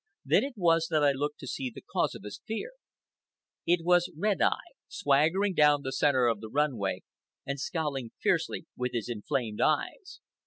Then it was that I looked to see the cause of his fear. It was Red Eye, swaggering down the centre of the run way and scowling fiercely with his inflamed eyes.